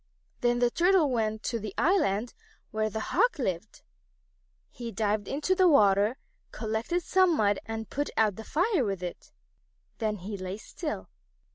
Then the Turtle went to the island where the Hawks lived. He dived into the water, collected some mud, and put out the fire with it. Then he lay still.